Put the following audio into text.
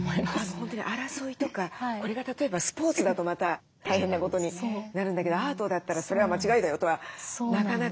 本当に争いとかこれが例えばスポーツだとまた大変なことになるんだけどアートだったら「それは間違いだよ」とはなかなか。